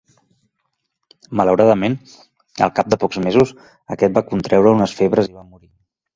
Malauradament, al cap de pocs mesos, aquest va contreure unes febres i va morir.